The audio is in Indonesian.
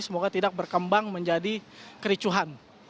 semoga tidak berkembang menjadi kericuhan